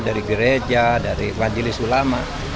dari gereja dari majelis ulama